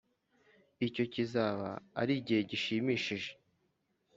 Icyo kizaba ari igihe gishimishije